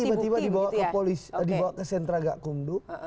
dibawa ke polisi dibawa ke sentra gak kundung